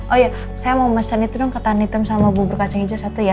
oh iya saya mau mas randy turun ke tan hitam sama buber kacang hijau satu ya